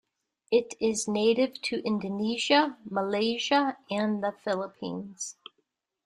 It is native to Indonesia, Malaysia, and the Philippines.